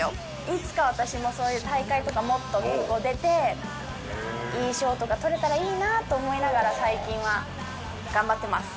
いつか私もそういう大会とかもっと結構出ていい賞とかとれたらいいなと思いながら最近は頑張ってます